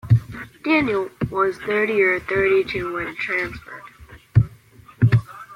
Daniel was thirty or thirty-two when transformed.